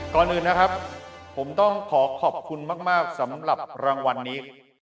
ก่อนอื่นนะครับผมต้องขอขอบคุณมากสำหรับรางวัลนี้